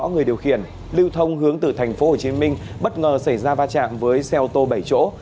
người điều khiển lưu thông hướng từ tp hcm bất ngờ xảy ra va chạm với xe ô tô bảy chỗ